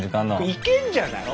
いけんじゃない？